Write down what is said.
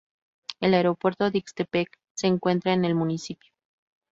El Aeropuerto de Ixtepec se encuentra en el municipio.